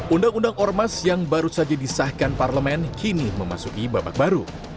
undang undang ormas yang baru saja disahkan parlemen kini memasuki babak baru